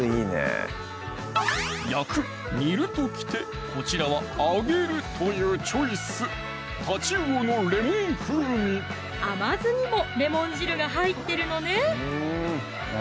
焼く・煮るときてこちらは揚げるというチョイス甘酢にもレモン汁が入ってるのね